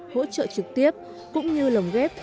hỗ trợ trực tiếp cũng như lồng ghép